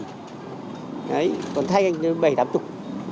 đấy còn thay anh thì bảy tám chục